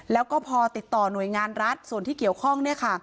แล้วก็พอติดต่อหน่วยงานรัฐส่วนที่เกี่ยวข้อง